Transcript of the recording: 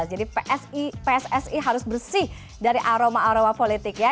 jadi pssi harus bersih dari aroma aroma politik ya